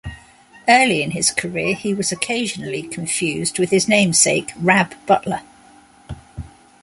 Early in his career, he was occasionally confused with his namesake Rab Butler.